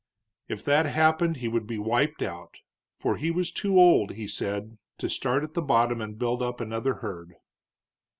If that happened he would be wiped out, for he was too old, he said, to start at the bottom and build up another herd.